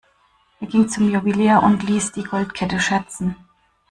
Er ging zum Juwelier und ließ die Goldkette schätzen.